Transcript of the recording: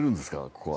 ここは。